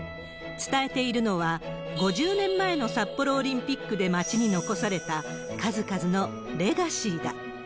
伝えているのは、５０年前の札幌オリンピックで街に残された、数々のレガシーだ。